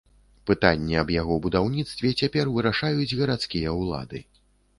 Пытанне аб яго будаўніцтве цяпер вырашаюць гарадскія ўлады.